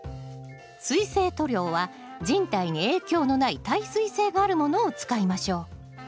水性塗料は人体に影響のない耐水性があるものを使いましょう。